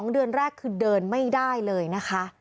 ๒เดือนแรกคือเดินไม่ได้เลยนะคะ